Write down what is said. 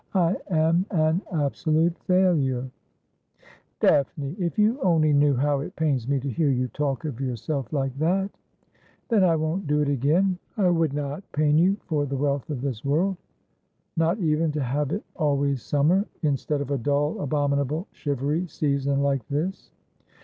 I am an absolute failure.' ^ No Man may alway have Prosper itee.' 179 ' Daphne, if you only knew how it pains me to hear you talk of yourself like that '' Then I won't do it again. I would not pain you for the wealth of this world — not even to have it always summer, in stead of a dull, abominable, shivery season like this.'